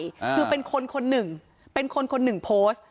คือเป็นคนคนหนึ่งเป็นคนคนหนึ่งโพสต์